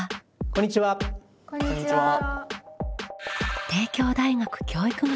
こんにちは。